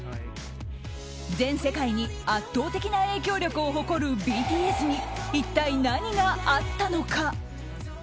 全世界に圧倒的な影響力を誇るＢＴＳに一体何があったのか。